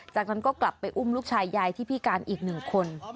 จากนั้นก็กลับไปอุ้มลูกชายยายที่พิการอีกหนึ่งคน